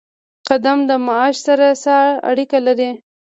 قدم د معاش سره څه اړیکه لري؟